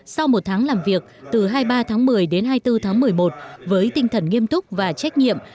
sau một tháng làm việc từ hai mươi ba tháng một mươi đến hai mươi bốn tháng một mươi một với tinh thần nghiêm túc và trách nhiệm